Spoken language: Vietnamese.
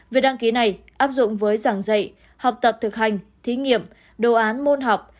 việc đăng ký này áp dụng với giảng dạy học tập thực hành thí nghiệm đồ án môn học